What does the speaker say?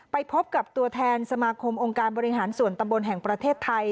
ไปพบกับตัวแทนสมาคมองค์การบริหารส่วนตำบลแห่งประเทศไทย